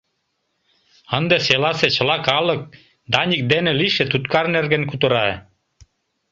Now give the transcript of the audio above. Ынде селасе чыла калык Даник дене лийше туткар нерген кутыра.